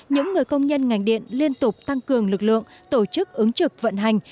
những người công nhân ngành điện liên tục tăng cường lực lượng tổ chức ứng trực vận hành